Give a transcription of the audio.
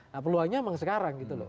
nah peluangnya emang sekarang gitu loh